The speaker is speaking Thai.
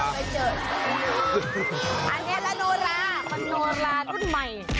อันเนี่ยมันโนรามันโนราทุกใหม่